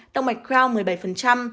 động mạch khoeo một mươi bảy